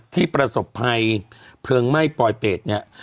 ประสบภัยเพลิงไหม้ปลอยเปรตเนี่ย